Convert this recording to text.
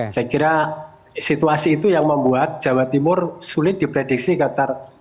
saya kira situasi itu yang membuat jawa timur sulit diprediksi qatar